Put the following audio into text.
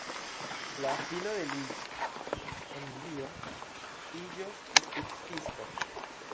La filo de Luigi, Emilio, iĝos skulptisto.